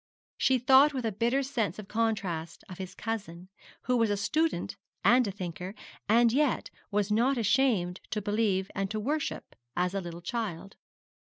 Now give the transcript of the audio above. She thought with a bitter sense of contrast of his cousin, who was a student and a thinker, and who yet was not ashamed to believe and to worship as a little child.